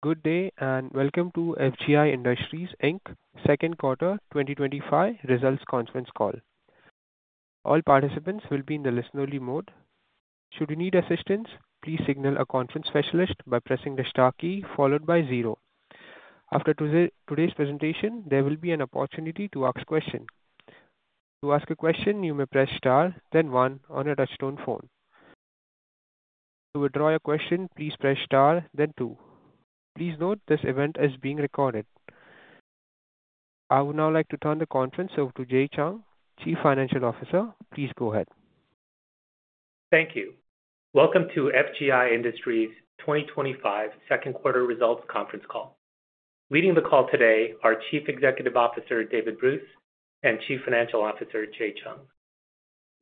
Good day and welcome to FGI Industries Ltd's second quarter 2025 results conference call. All participants will be in the listen-only mode. Should you need assistance, please signal a conference specialist by pressing the star key followed by zero. After today's presentation, there will be an opportunity to ask questions. To ask a question, you may press star, then one on your touchtone phone. To withdraw your question, please press star, then two. Please note this event is being recorded. I would now like to turn the conference over to Jae Chung, Chief Financial Officer. Please go ahead. Thank you. Welcome to FGI Industries 2025 second quarter results conference call. Leading the call today are Chief Executive Officer David Bruce and Chief Financial Officer Jae Chung.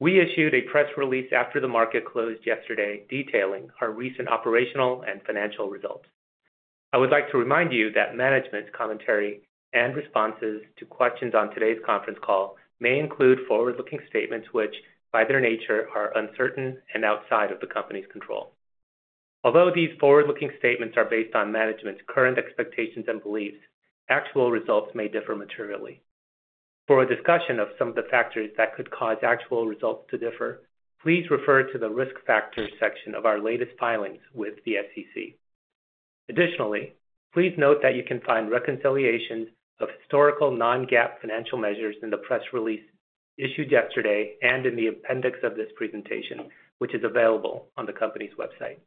We issued a press release after the market closed yesterday detailing our recent operational and financial results. I would like to remind you that management's commentary and responses to questions on today's conference call may include forward-looking statements which, by their nature, are uncertain and outside of the company's control. Although these forward-looking statements are based on management's current expectations and beliefs, actual results may differ materially. For a discussion of some of the factors that could cause actual results to differ, please refer to the risk factors section of our latest filings with the SEC. Additionally, please note that you can find reconciliations of historical non-GAAP financial measures in the press release issued yesterday and in the appendix of this presentation, which is available on the company's website.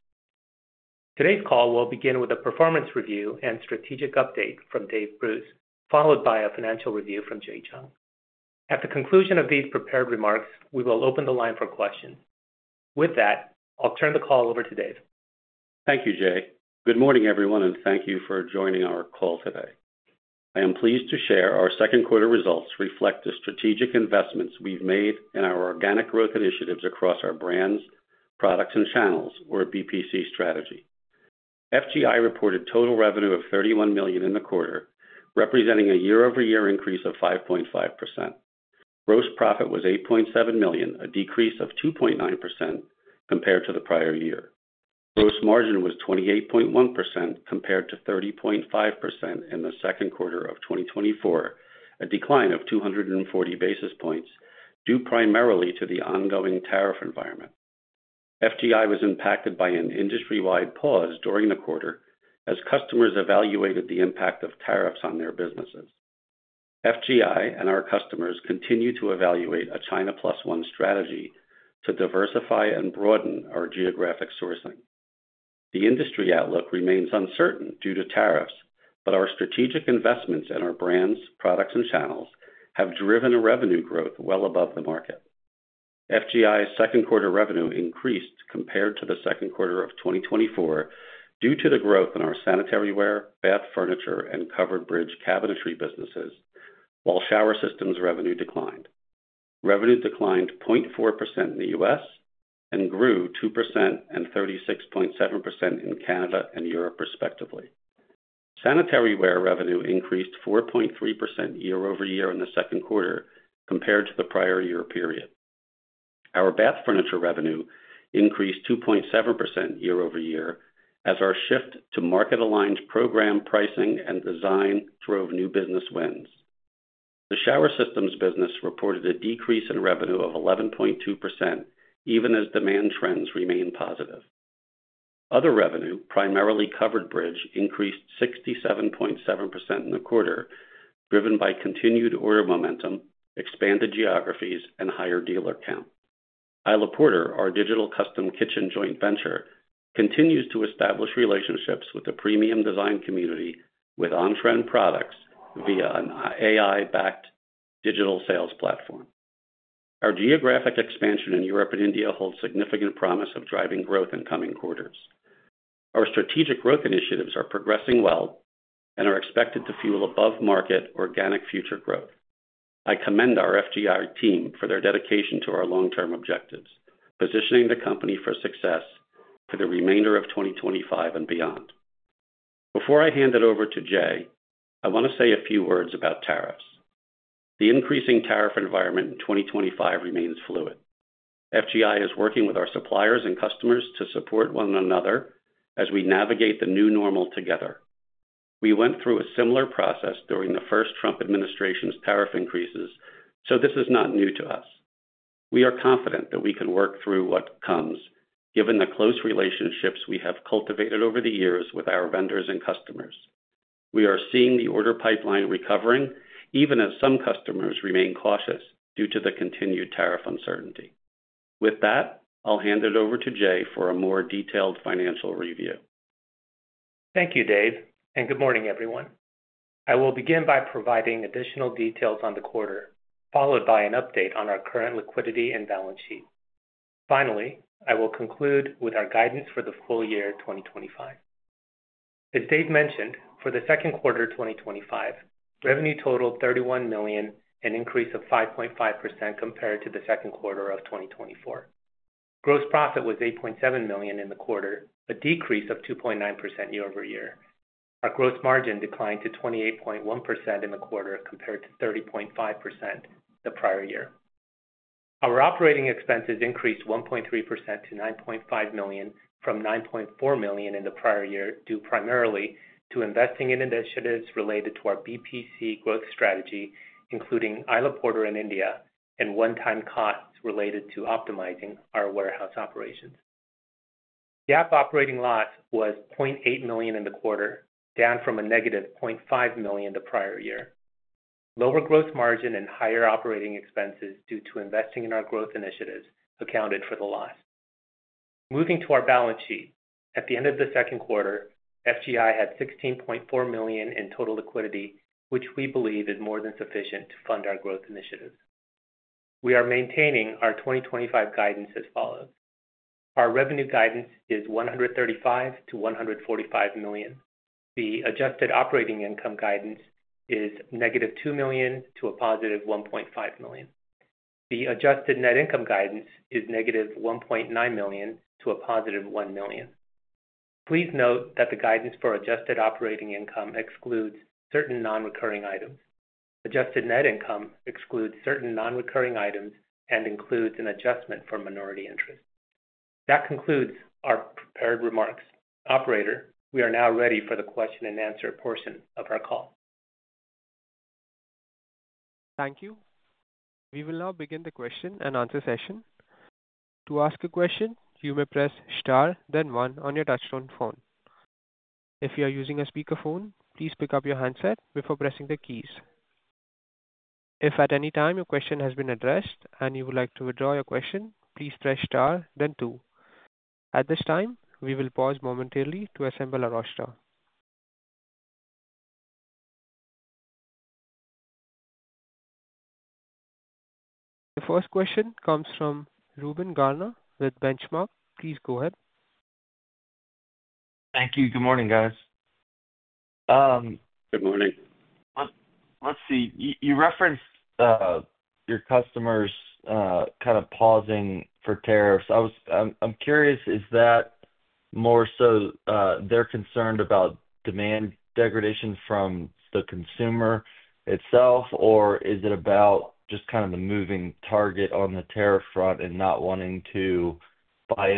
Today's call will begin with a performance review and strategic update from David Bruce, followed by a financial review from Jae Chung. At the conclusion of these prepared remarks, we will open the line for questions. With that, I'll turn the call over to David. Thank you, Jae. Good morning, everyone, and thank you for joining our call today. I am pleased to share our second quarter results reflect the strategic investments we've made in our organic growth initiatives across our brands, products, and channels for BPC strategy. FGI Industries Ltd reported total revenue of $31 million in the quarter, representing a year-over-year increase of 5.5%. Gross profit was $8.7 million, a decrease of 2.9% compared to the prior year. Gross margin was 28.1% compared to 30.5% in the second quarter of 2024, a decline of 240 basis points, due primarily to the ongoing tariff environment. FGI Industries Ltd was impacted by an industry-wide pause during the quarter as customers evaluated the impact of tariffs on their businesses. FGI Industries Ltd and our customers continue to evaluate a China Plus One sourcing strategy to diversify and broaden our geographic sourcing. The industry outlook remains uncertain due to tariffs, but our strategic investments in our brands, products, and channels have driven revenue growth well above the market. FGI Industries Ltd's second quarter revenue increased compared to the second quarter of 2024 due to the growth in our sanitaryware, bath furniture, and Covered Bridge cabinetry businesses, while shower systems revenue declined. Revenue declined 0.4% in the U.S. and grew 2% and 36.7% in Canada and Europe, respectively. Sanitaryware revenue increased 4.3% year-over-year in the second quarter compared to the prior year period. Our bath furniture revenue increased 2.7% year-over-year as our shift to market-aligned program pricing and design drove new business wins. The shower systems business reported a decrease in revenue of 11.2%, even as demand trends remain positive. Other revenue, primarily Covered Bridge, increased 67.7% in the quarter, driven by continued order momentum, expanded geographies, and higher dealer count. Isle of Porter, our digital custom kitchen joint venture, continues to establish relationships with the premium design community with on-trend products via an AI-backed sales platform. Our geographic expansion in Europe and India holds significant promise of driving growth in coming quarters. Our strategic growth initiatives are progressing well and are expected to fuel above-market organic future growth. I commend our FGI Industries Ltd team for their dedication to our long-term objectives, positioning the company for success for the remainder of 2025 and beyond. Before I hand it over to Jae, I want to say a few words about tariffs. The increasing tariff environment in 2025 remains fluid. FGI Industries Ltd is working with our suppliers and customers to support one another as we navigate the new normal together. We went through a similar process during the first Trump administration's tariff increases, so this is not new to us. We are confident that we can work through what comes, given the close relationships we have cultivated over the years with our vendors and customers. We are seeing the order pipeline recovering, even as some customers remain cautious due to the continued tariff uncertainty. With that, I'll hand it over to Jae for a more detailed financial review. Thank you, Dave, and good morning, everyone. I will begin by providing additional details on the quarter, followed by an update on our current liquidity and balance sheet. Finally, I will conclude with our guidance for the full year 2025. As Dave mentioned, for the second quarter of 2025, revenue totaled $31 million, an increase of 5.5% compared to the second quarter of 2024. Gross profit was $8.7 million in the quarter, a decrease of 2.9% year-over-year. Our gross margin declined to 28.1% in the quarter compared to 30.5% the prior year. Our operating expenses increased 1.3% to $9.5 million from $9.4 million in the prior year, due primarily to investing in initiatives related to our BPC growth strategy, including Isle of Porter in India and one-time costs related to optimizing our warehouse operations. GAAP operating loss was $0.8 million in the quarter, down from a -$0.5 million the prior year. Lower gross margin and higher operating expenses due to investing in our growth initiatives accounted for the loss. Moving to our balance sheet, at the end of the second quarter, FGI Industries Ltd had $16.4 million in total liquidity, which we believe is more than sufficient to fund our growth initiatives. We are maintaining our 2025 guidance as follows. Our revenue guidance is $135-$145 million. The adjusted operating income guidance is -$2 million to a +$1.5 million. The adjusted net income guidance is -$1.9 million to a positive $1 million. Please note that the guidance for adjusted operating income excludes certain non-recurring items. Adjusted net income excludes certain non-recurring items and includes an adjustment for minority interests. That concludes our prepared remarks. Operator, we are now ready for the question and answer portion of our call. Thank you. We will now begin the question and answer session. To ask a question, you may press star, then one on your touchtone phone. If you are using a speakerphone, please pick up your handset before pressing the keys. If at any time your question has been addressed and you would like to withdraw your question, please press star, then two. At this time, we will pause momentarily to assemble our roster. The first question comes from Ruben Garner with Benchmark. Please go ahead. Thank you. Good morning, guys. Good morning. Let's see. You referenced your customers kind of pausing for tariffs. I'm curious, is that more so they're concerned about demand degradation from the consumer itself, or is it about just kind of the moving target on the tariff front and not wanting to buy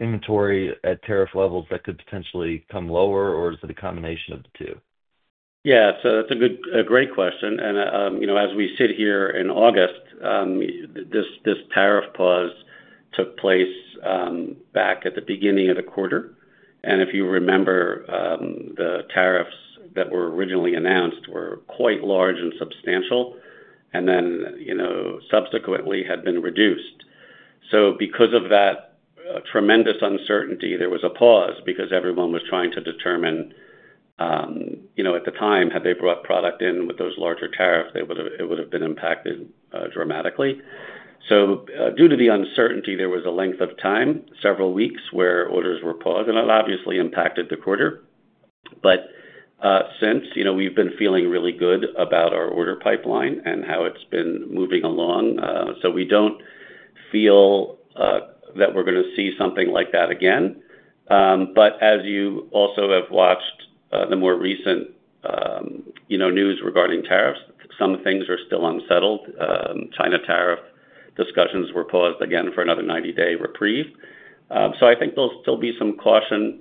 inventory at tariff levels that could potentially come lower, or is it a combination of the two? Yeah, that's a great question. As we sit here in August, this tariff pause took place back at the beginning of the quarter. If you remember, the tariffs that were originally announced were quite large and substantial, and then subsequently had been reduced. Because of that tremendous uncertainty, there was a pause because everyone was trying to determine, at the time, had they brought product in with those larger tariffs, it would have been impacted dramatically. Due to the uncertainty, there was a length of time, several weeks, where orders were paused, and that obviously impacted the quarter. Since then, we've been feeling really good about our order pipeline and how it's been moving along. We don't feel that we're going to see something like that again. As you also have watched the more recent news regarding tariffs, some things are still unsettled. China tariff discussions were paused again for another 90-day reprieve. I think there'll still be some caution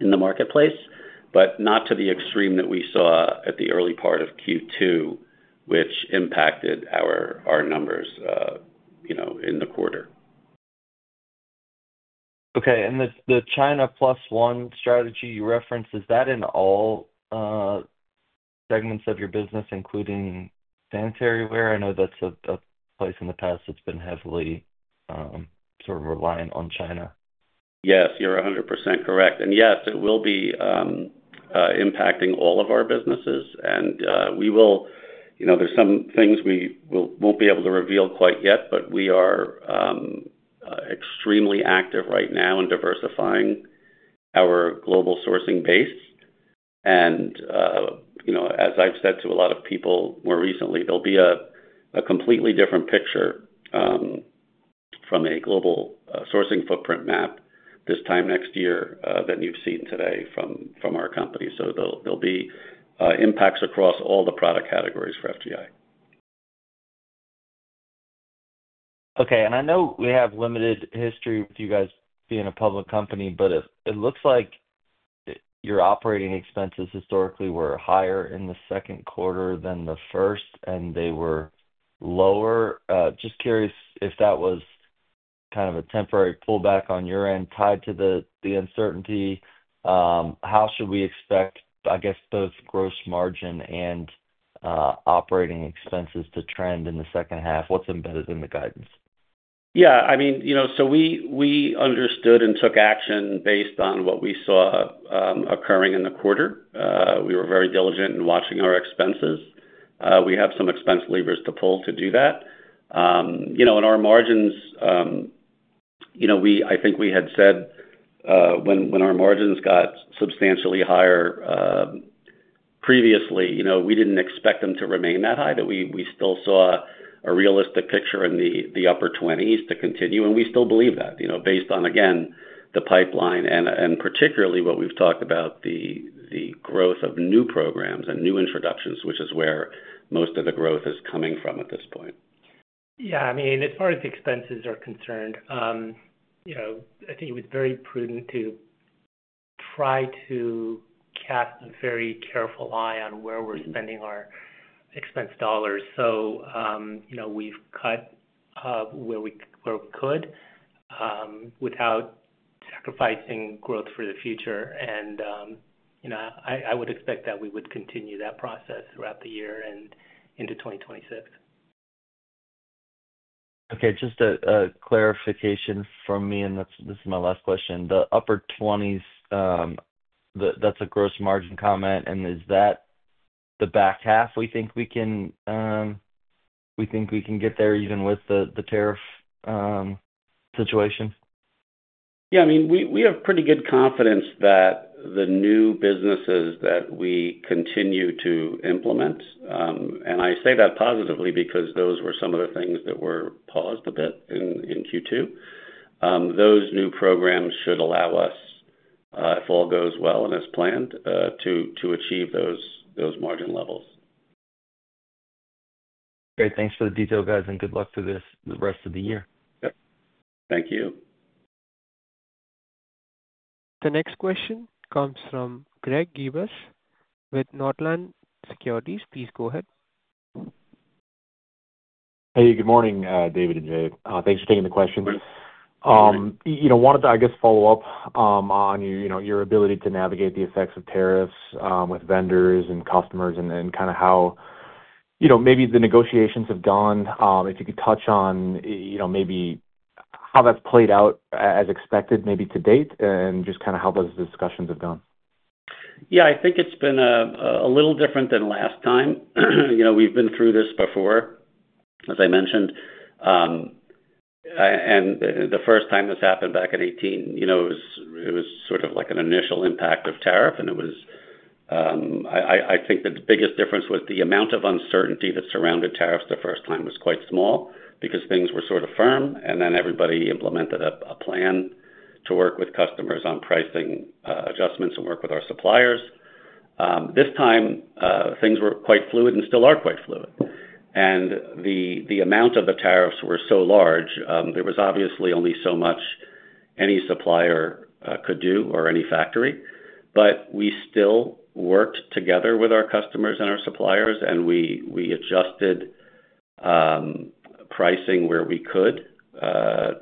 in the marketplace, but not to the extreme that we saw at the early part of Q2, which impacted our numbers in the quarter. Okay, and the China Plus One sourcing strategy you referenced, is that in all segments of your business, including sanitaryware? I know that's a place in the past that's been heavily sort of reliant on China. Yes, you're 100% correct. Yes, it will be impacting all of our businesses. We will, you know, there are some things we won't be able to reveal quite yet, but we are extremely active right now in diversifying our global sourcing base. As I've said to a lot of people more recently, there will be a completely different picture from a global sourcing footprint map this time next year than you've seen today from our company. There will be impacts across all the product categories for FGI Industries Ltd. Okay, I know we have limited history with you guys being a public company, but it looks like your operating expenses historically were higher in the second quarter than the first, and they were lower. Just curious if that was kind of a temporary pullback on your end tied to the uncertainty. How should we expect, I guess, both gross margin and operating expenses to trend in the second half? What's embedded in the guidance? Yeah, I mean, we understood and took action based on what we saw occurring in the quarter. We were very diligent in watching our expenses. We have some expense levers to pull to do that. In our margins, I think we had said when our margins got substantially higher previously, we didn't expect them to remain that high, that we still saw a realistic picture in the upper 20s to continue, and we still believe that, based on, again, the pipeline and particularly what we've talked about, the growth of new programs and new introductions, which is where most of the growth is coming from at this point. Yeah, I mean, as far as the expenses are concerned, I think it was very prudent to try to cast a very careful eye on where we're spending our expense dollars. We've cut where we could without sacrificing growth for the future. I would expect that we would continue that process throughout the year and into 2026. Okay, just a clarification from me, and this is my last question. The upper 20s, that's a gross margin comment, and is that the back half we think we can, we think we can get there even with the tariff situation? Yeah, I mean, we have pretty good confidence that the new businesses that we continue to implement, and I say that positively because those were some of the things that were paused a bit in Q2. Those new programs should allow us, if all goes well and as planned, to achieve those margin levels. Great, thanks for the detail, guys, and good luck for the rest of the year. Thank you. The next question comes from Greg Gibbs with Nordland Securities. Please go ahead. Hey, good morning, David and Jae. Thanks for taking the question. I wanted to follow up on your ability to navigate the effects of tariffs with vendors and customers and how the negotiations have gone. If you could touch on how that's played out as expected to date and how those discussions have gone. Yeah, I think it's been a little different than last time. We've been through this before, as I mentioned. The first time this happened back in 2018, it was sort of like an initial impact of tariff. I think the biggest difference was the amount of uncertainty that surrounded tariffs the first time was quite small because things were sort of firm. Everybody implemented a plan to work with customers on pricing adjustments and work with our suppliers. This time, things were quite fluid and still are quite fluid. The amount of the tariffs were so large, there was obviously only so much any supplier could do or any factory. We still worked together with our customers and our suppliers, and we adjusted pricing where we could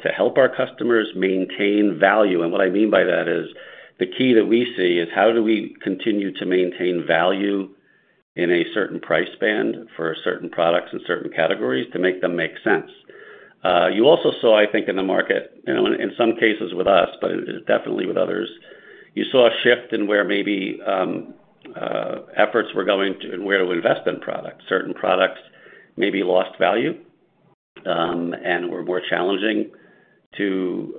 to help our customers maintain value. What I mean by that is the key that we see is how do we continue to maintain value in a certain price band for certain products and certain categories to make them make sense. You also saw, I think, in the market, in some cases with us, but definitely with others, you saw a shift in where maybe efforts were going to and where to invest in products. Certain products maybe lost value and were more challenging to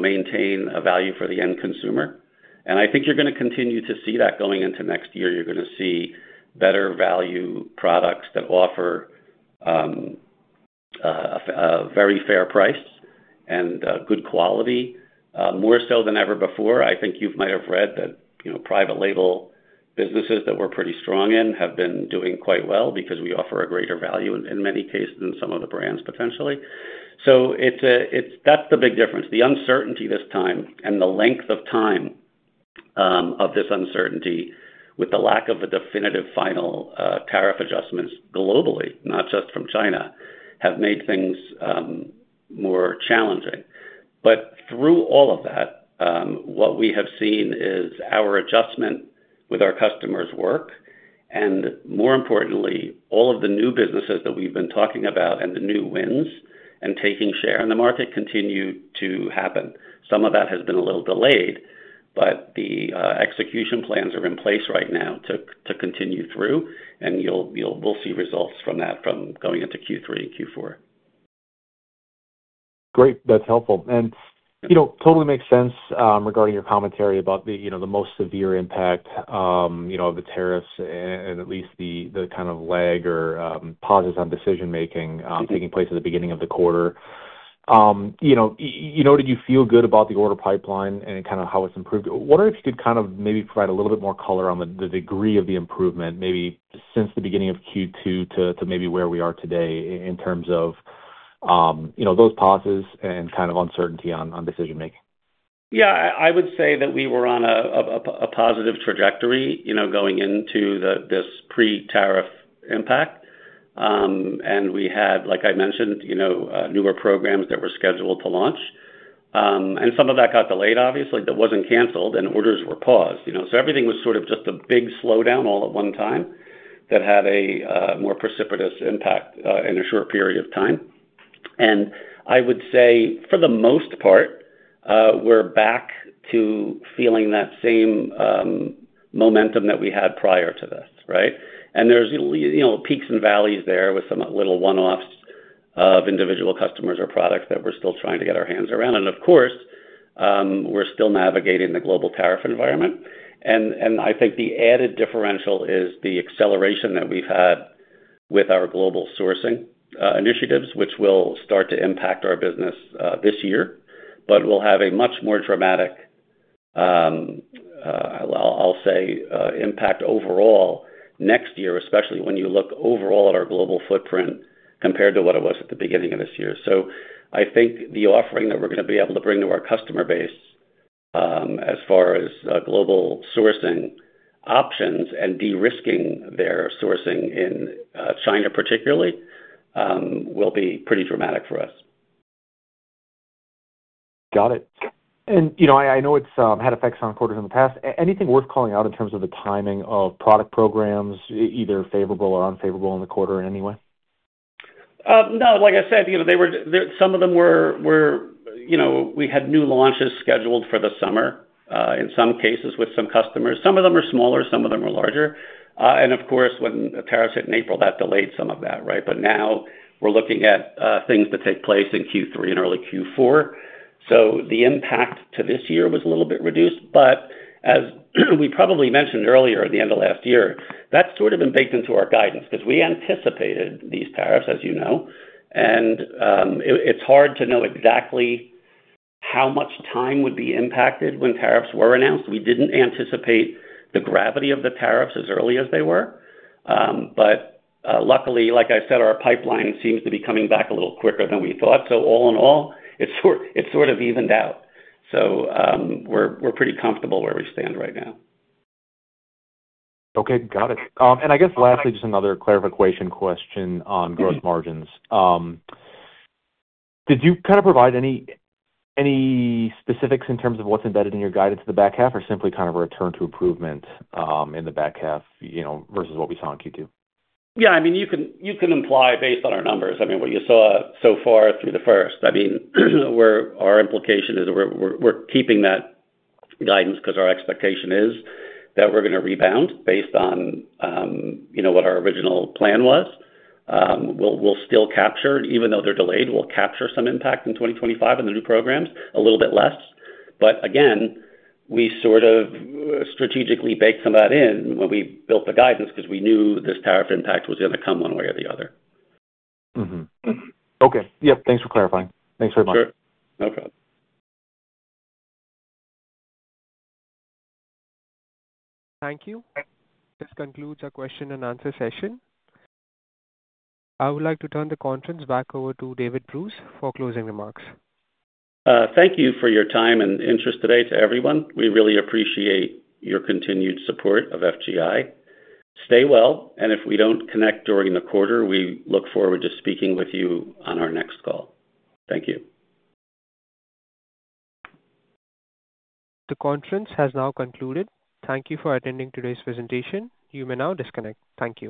maintain a value for the end consumer. I think you're going to continue to see that going into next year. You're going to see better value products that offer a very fair price and good quality, more so than ever before. I think you might have read that private label businesses that we're pretty strong in have been doing quite well because we offer a greater value in many cases than some of the brands, potentially. That's the big difference. The uncertainty this time and the length of time of this uncertainty, with the lack of the definitive final tariff adjustments globally, not just from China, have made things more challenging. Through all of that, what we have seen is our adjustment with our customers' work. More importantly, all of the new businesses that we've been talking about and the new wins and taking share in the market continue to happen. Some of that has been a little delayed, but the execution plans are in place right now to continue through. We'll see results from that from going into Q3 and Q4. Great, that's helpful. It totally makes sense regarding your commentary about the most severe impact of the tariffs and at least the kind of lag or pauses on decision-making taking place at the beginning of the quarter. You noted you feel good about the order pipeline and kind of how it's improved. I wonder if you could maybe provide a little bit more color on the degree of the improvement, maybe since the beginning of Q2 to where we are today in terms of those pauses and uncertainty on decision-making. I would say that we were on a positive trajectory going into this pre-tariff impact. We had, like I mentioned, newer programs that were scheduled to launch. Some of that got delayed, obviously, that wasn't canceled, and orders were paused. Everything was sort of just a big slowdown all at one time that had a more precipitous impact in a short period of time. I would say for the most part, we're back to feeling that same momentum that we had prior to this, right? There are peaks and valleys there with some little one-offs of individual customers or products that we're still trying to get our hands around. Of course, we're still navigating the global tariff environment. I think the added differential is the acceleration that we've had with our global sourcing initiatives, which will start to impact our business this year, but will have a much more dramatic impact overall next year, especially when you look overall at our global footprint compared to what it was at the beginning of this year. I think the offering that we're going to be able to bring to our customer base as far as global sourcing options and de-risking their sourcing in China particularly will be pretty dramatic for us. Got it. I know it's had effects on quarters in the past. Anything worth calling out in terms of the timing of product programs, either favorable or unfavorable in the quarter in any way? Like I said, some of them were, we had new launches scheduled for the summer in some cases with some customers. Some of them are smaller, some of them are larger. Of course, when the tariffs hit in April, that delayed some of that, right? Now we're looking at things to take place in Q3 and early Q4. The impact to this year was a little bit reduced, but as we probably mentioned earlier at the end of last year, that's sort of been baked into our guidance because we anticipated these tariffs, as you know. It's hard to know exactly how much time would be impacted when tariffs were announced. We didn't anticipate the gravity of the tariffs as early as they were. Luckily, like I said, our pipeline seems to be coming back a little quicker than we thought. All in all, it's sort of evened out. We're pretty comfortable where we stand right now. Okay, got it. I guess lastly, just another clarification question on gross margins. Did you kind of provide any specifics in terms of what's embedded in your guidance to the back half or simply kind of a return to improvement in the back half versus what we saw in Q2? Yeah, you can imply based on our numbers. What you saw so far through the first, our implication is that we're keeping that guidance because our expectation is that we're going to rebound based on what our original plan was. We'll still capture, even though they're delayed, we'll capture some impact in 2025 in the new programs, a little bit less. We sort of strategically baked some of that in when we built the guidance because we knew this tariff impact was going to come one way or the other. Okay, yep, thanks for clarifying. Thanks very much. Sure, no problem. Thank you. This concludes our question and answer session. I would like to turn the conference back over to David Bruce for closing remarks. Thank you for your time and interest today to everyone. We really appreciate your continued support of FGI Industries Ltd. Stay well, and if we don't connect during the quarter, we look forward to speaking with you on our next call. Thank you. The conference has now concluded. Thank you for attending today's presentation. You may now disconnect. Thank you.